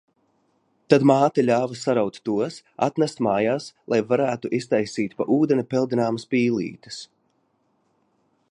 Tad māte ļāva saraut tos, atnest mājās, lai varētu iztaisīt pa ūdeni peldināmas pīlītes.